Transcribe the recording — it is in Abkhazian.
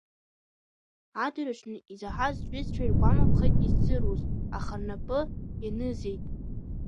Адырҩаҽны изаҳаз сҩызцәа иргәамԥхеит исзыруз, аха рнапы ианызеи.